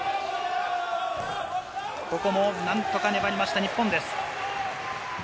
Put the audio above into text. ここも何とか粘りました日本です。